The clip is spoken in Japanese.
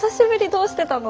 どうしてたの？」